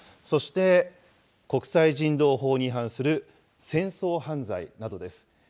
そして、国際人道法に違反する戦争犯罪などです。